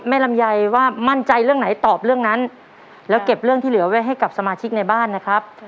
ลำไยว่ามั่นใจเรื่องไหนตอบเรื่องนั้นแล้วเก็บเรื่องที่เหลือไว้ให้กับสมาชิกในบ้านนะครับ